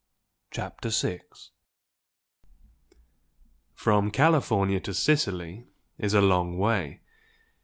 CHAPTER VI From California to Sicily is a long way.